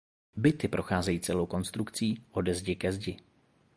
Byty procházejí celou konstrukcí „ode zdi ke zdi“.